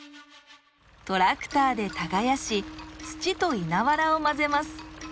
トラクターで耕し土といなわらを混ぜます。